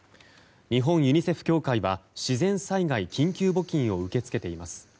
日本ユニセフ協会は自然災害緊急募金を受け付けています。